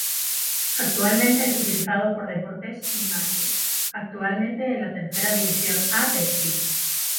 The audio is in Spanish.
Actualmente es utilizado por Deportes Limache, actualmente en la Tercera División A de Chile.